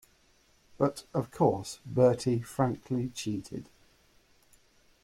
But, of course, Bertie frankly cheated.